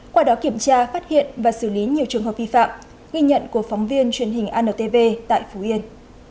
qua đó kiểm tra phát hiện và xử lý nhiều trường hợp vi phạm ghi nhận của phóng viên truyền hình antv tại phú yên